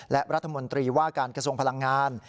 และรัฐมนตรีว่าการกระทรวงพลังงาน